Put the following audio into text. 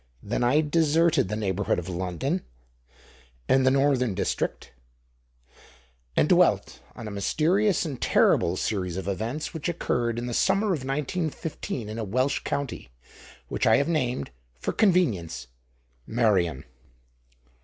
Then I deserted the neighborhood of London, and the northern district, and dwelt on a mysterious and terrible series of events which occurred in the summer of 1915 in a Welsh county, which I have named, for convenience, Meirion.